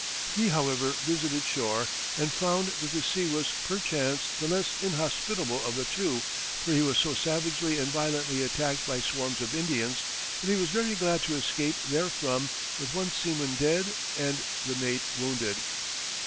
He, however, visited shore, and found that the sea was perchance the less inhospitable of the two, for he was so savagely and violently attacked by swarms of Indians that he was very glad to escape therefrom with one seaman dead and the mate wounded.